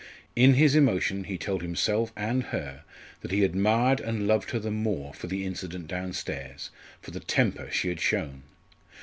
In his emotion he told himself and her that he admired and loved her the more for the incident downstairs, for the temper she had shown!